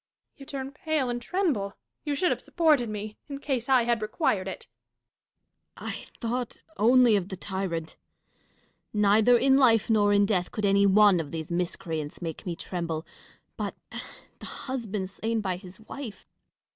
You turn pale and tremble. You should have supported me, in case I had required it. Dashkof. I thought only of the tyrant. Neither in life nor in death could any one of these miscreants make me CATHARINE AND PRINCESS DASHKOF. 87 tremble. But the husband slain by his wife